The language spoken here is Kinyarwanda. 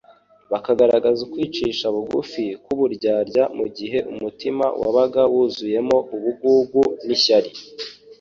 bakagaragaza ukwicisha bugufi k'uburyarya mu gihe umutima wabaga wuzuyemo ubugugu n'ishyari.